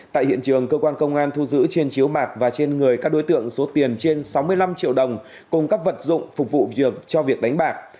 tại hiện trường cơ quan công an thu giữ trên chiếu bạc và trên người các đối tượng số tiền trên sáu mươi năm triệu đồng cùng các vật dụng phục vụ việc cho việc đánh bạc